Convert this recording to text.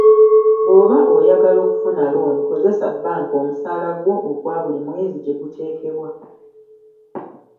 Bw'oba oyagala okufuna looni kozesa bbanka omusaalagwo ogwa buli mwezi gye guteekebwa.